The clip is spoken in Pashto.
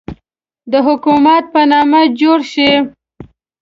د حکومت په نامه جوړ شي.